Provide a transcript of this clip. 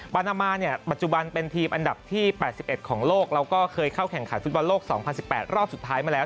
นานามาเนี่ยปัจจุบันเป็นทีมอันดับที่๘๑ของโลกแล้วก็เคยเข้าแข่งขันฟุตบอลโลก๒๐๑๘รอบสุดท้ายมาแล้ว